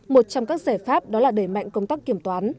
một trong các giải pháp đó là đẩy mạnh công tác kiểm toán